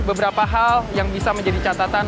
beberapa hal yang bisa menjadi catatan